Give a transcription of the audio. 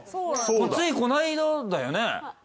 ついこのあいだだよね